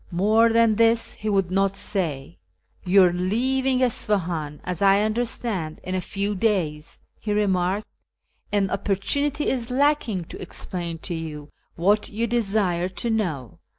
More than this he would not say. " You are leaving Isfahan, as I understand, in a few days," he remarked, " and opportunity is lacking to explain to you what you desire to know.